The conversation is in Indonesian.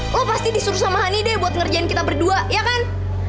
wah pasti disuruh sama hani deh buat ngerjain kita berdua ya kan